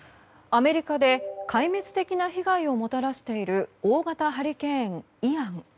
アメリカで壊滅的な被害をもたらしている大型ハリケーン、イアン。